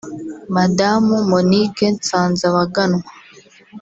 Madamu Monique Nsanzabaganwa